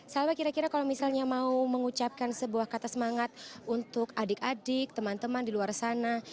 salma kira kira kalau misalnya mau mengucapkan sebuah kata semangat untuk adik adik teman teman di luar sana